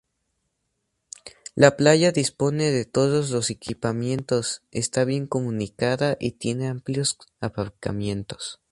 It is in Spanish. La playa dispone de todos los equipamientos, está bien comunicada y tiene amplios aparcamientos.